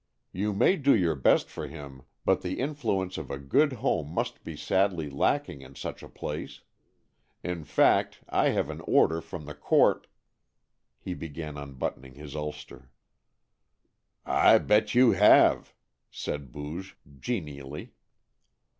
You may do your best for him but the influence of a good home must be sadly lacking in such a place. In fact, I have an order from the court " He began unbuttoning his ulster. "I bet you have!" said Booge genially.